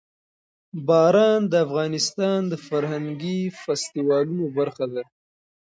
باران د افغانستان د فرهنګي فستیوالونو برخه ده.